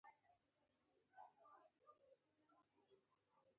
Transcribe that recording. لېدلې مو نه وه.